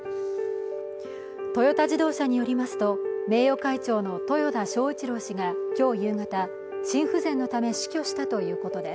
トヨタ自動車によりますと、名誉会長の豊田章一郎氏が今日夕方、心不全のため死去したということです。